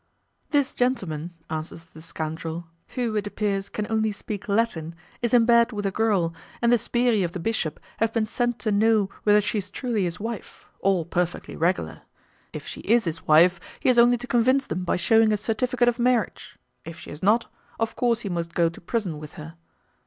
"This gentleman," answers the scoundrel, "who, it appears, can only speak Latin, is in bed with a girl, and the 'sbirri' of the bishop have been sent to know whether she is truly his wife; all perfectly regular. If she is his wife, he has only to convince them by shewing a certificate of marriage, but if she is not, of course he must go to prison with her.